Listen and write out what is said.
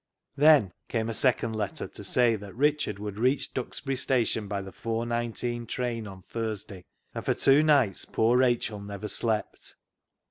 Then came a second letter to say that Richard would reach Duxbury Station by the 4.19 train on Thursday, and for two nights poor Rachel never slept.